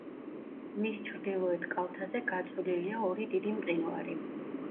მის ჩრდილოეთ კალთაზე გაწოლილია ორი დიდი მყინვარი.